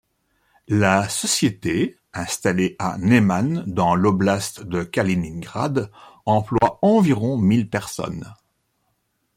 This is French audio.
La société, installée à Neman dans l'oblast de Kaliningrad emploie environ mille personnes.